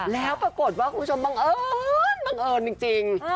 แล้วปรากฏว่าคุณผู้ชมบังเอิญบังเอิญจริง